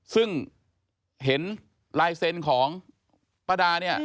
ซึ่งเห็นลายเซ็นต์ของป้าดาเนี่ย